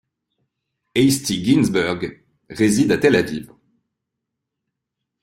Esti Ginzburg réside à Tel Aviv.